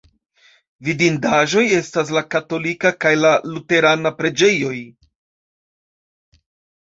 Vidindaĵoj estas la katolika kaj la luterana preĝejoj.